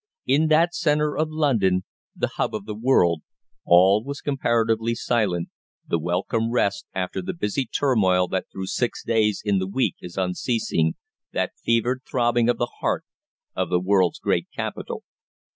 In that centre of London the hub of the world all was comparatively silent, the welcome rest after the busy turmoil that through six days in the week is unceasing, that fevered throbbing of the heart of the world's great capital.